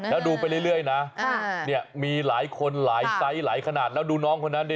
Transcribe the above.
แล้วดูไปเรื่อยนะมีหลายคนหลายไซส์หลายขนาดแล้วดูน้องคนนั้นดิ